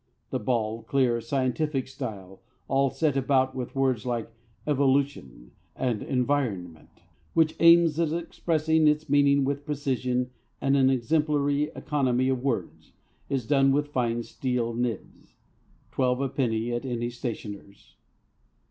That bald, clear, scientific style, all set about with words like "evolution" and "environment," which aims at expressing its meaning with precision and an exemplary economy of words, is done with fine steel nibs twelve a penny at any stationer's.